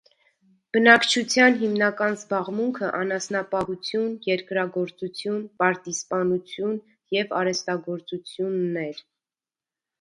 Բնակչության հիմնական զբաղմունքը անասնապահություն, երկրագործություն, պարտիզպանություն և արհեստագործությունն էր։